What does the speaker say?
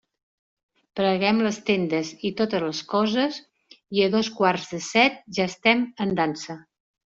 Pleguem les tendes i totes les coses, i a dos quarts de set ja estem en dansa.